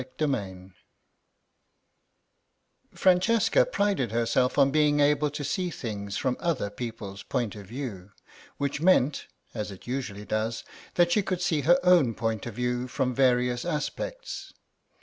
CHAPTER IV FRANCESCA prided herself on being able to see things from other people's points of view, which meant, as it usually does, that she could see her own point of view from various aspects.